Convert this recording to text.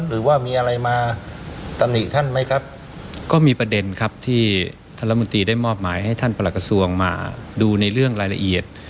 หรือว่ามีอะไรมาตำหนิท่านไหมครับก็มีประเด็นครับที่ท่านรัฐมนตรีได้มอบหมายให้ท่านประหลักกระทรวงมาดูในเรื่องรายละเอียด